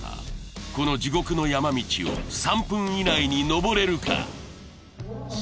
この地獄の山道を３分以内にのぼれるかっ